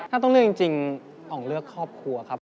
ถ้าต้องเลือกจริงอ๋องเลือกครอบครัวครับผม